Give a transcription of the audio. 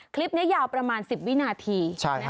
คลิปนี้ยาวประมาณ๑๐วินาที